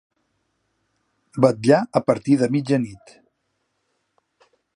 Vetllar a partir de mitjanit.